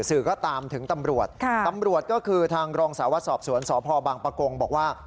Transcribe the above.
สื่อก็ตามถึงตำรวจตำรวจก็คือทางรองสาววัดสอบสวนสพบางประกงบอกว่า